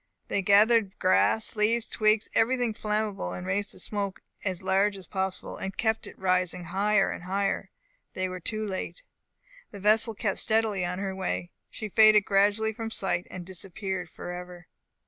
They gathered grass, leaves, twigs, everything inflammable, and raised a smoke, as large as possible, and kept it rising, higher, higher. They were too late; the vessel kept steadily on her way. She faded gradually from sight, and disappeared for ever.